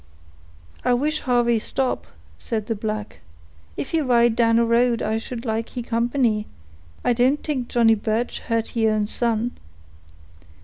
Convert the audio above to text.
"I wish Harvey stop," said the black. "If he ride down a road, I should like he company; I don't t'ink Johnny Birch hurt he own son."